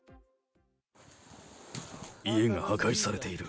家が破壊されている。